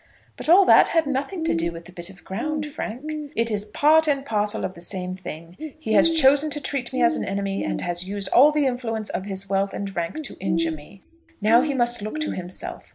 "But all that had nothing to do with the bit of ground, Frank." "It is part and parcel of the same thing. He has chosen to treat me as an enemy, and has used all the influence of his wealth and rank to injure me. Now he must look to himself.